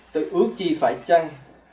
tôi ước chi phải chăng